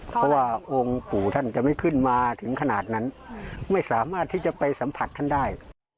เพราะว่าองค์ปู่ท่านจะไม่ขึ้นมาถึงขนาดนั้นไม่สามารถที่จะไปสัมผัสท่านได้